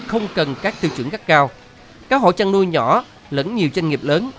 không cần các tiêu chuẩn gắt cao các hộ chăn nuôi nhỏ lẫn nhiều doanh nghiệp lớn